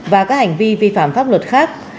và các hành vi vi phạm pháp luật khác